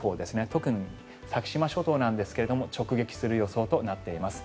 特に先島諸島なんですが直撃する予想となっています。